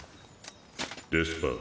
デスパー。